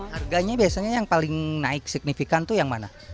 harganya biasanya yang paling naik signifikan itu yang mana